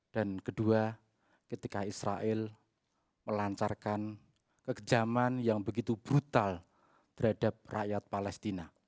dan kedua ketika israel melancarkan kekejaman yang begitu brutal terhadap rakyat palestina